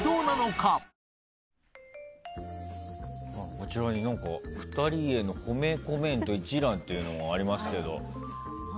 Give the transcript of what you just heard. こちらに何か、２人への褒めコメント一覧というのがありますけど。